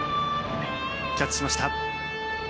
キャッチしました。